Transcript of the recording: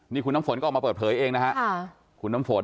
นี่คุณน้ำฝนก็ออกมาเปิดเผยเองนะฮะคุณน้ำฝน